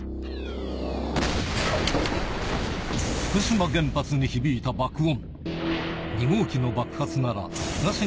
福島原発に響いた爆音。